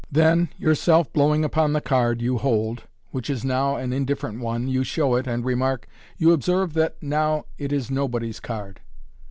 Then, yourself blowing upon the card you hold, which is now an indifferent one, you show it, and remark, " You observe that now it is nobody's card."